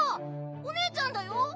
おねえちゃんだよ。